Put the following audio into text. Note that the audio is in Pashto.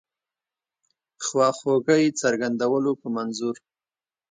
خواخوږی څرګندولو په منظور.